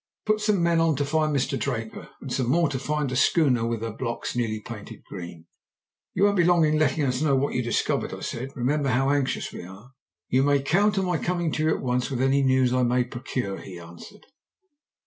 "Put some men on to find Mr. Draper, and some more to find a schooner with her blocks newly painted green." "You won't be long in letting us know what you discover?" I said. "Remember how anxious we are." "You may count on my coming to you at once with any news I may procure," he answered.